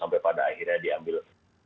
sampai pada akhirnya diambil